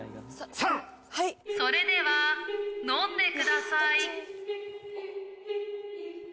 それでは飲んでください。